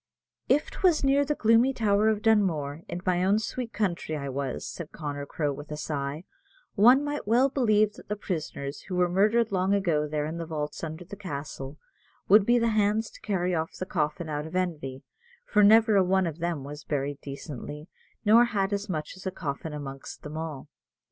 "If 'twas near the gloomy tower of Dunmore, in my own sweet country, I was," said Connor Crowe, with a sigh, "one might well believe that the prisoners, who were murdered long ago there in the vaults under the castle, would be the hands to carry off the coffin out of envy, for never a one of them was buried decently, nor had as much as a coffin amongst them all.